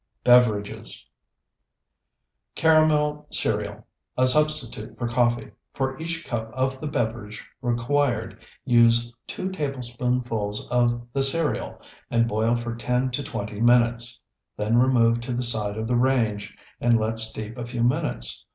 BEVERAGES CARAMEL CEREAL (A Substitute for Coffee) For each cup of the beverage required use two tablespoonfuls of the cereal and boil for ten to twenty minutes. Then remove to the side of the range and let steep a few minutes.